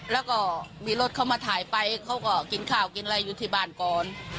แล้วก็มีรถเขามาถ่ายไปเขาก็กินข้าวกินอะไรอยู่ที่บ้านก่อน